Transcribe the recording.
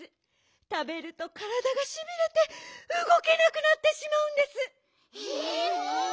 たべるとからだがしびれてうごけなくなってしまうんです。え！？